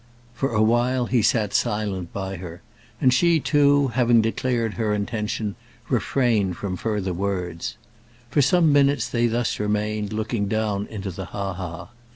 For a while he sat silent by her; and she too, having declared her intention, refrained from further words. For some minutes they thus remained, looking down into the ha ha.